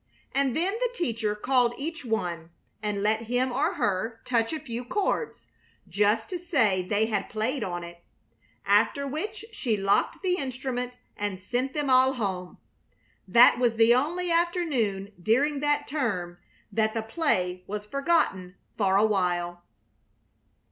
And then the teacher called each one and let him or her touch a few chords, just to say they had played on it. After which she locked the instrument and sent them all home. That was the only afternoon during that term that the play was forgotten for a while.